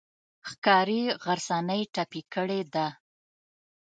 ښکاري غرڅنۍ ټپي کړې ده.